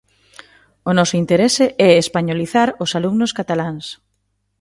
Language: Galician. O noso interese é españolizar os alumnos cataláns.